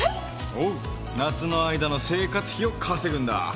おう夏の間の生活費を稼ぐんだ。